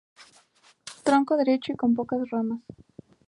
Tronco derecho y con pocas ramas.